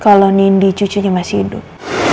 kalau nindi cucunya masih hidup